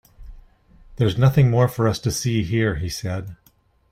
"There is nothing more for us to see here," he said.